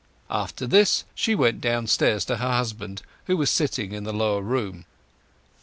After this she went downstairs to her husband, who was sitting in the lower room.